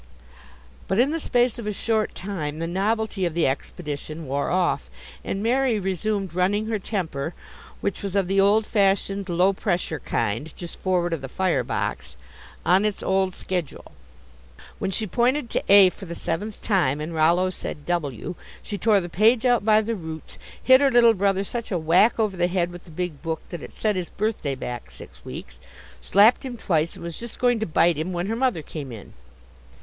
But in the space of a short time, the novelty of the expedition wore off, and Mary resumed running her temper which was of the old fashioned, low pressure kind, just forward of the fire box on its old schedule. When she pointed to "A" for the seventh time, and Rollo said "W," she tore the page out by the roots, hit her little brother such a whack over the head with the big book that it set his birthday back six weeks, slapped him twice, and was just going to bite him, when her mother came in.